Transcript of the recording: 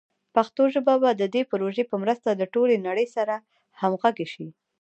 پښتو ژبه به د دې پروژې په مرسته د ټولې نړۍ سره همغږي شي.